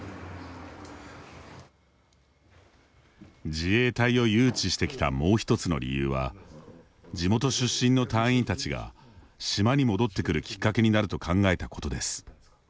自衛隊を誘致してきたもう一つの理由は地元出身の隊員たちが島に戻ってくるきっかけになると考えたことです。